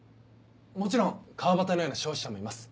もちろん川端のような消費者もいます。